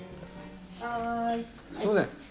すみません。